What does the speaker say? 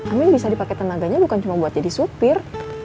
amin bisa dipakai tenaganya bukan cuma buat jadi supir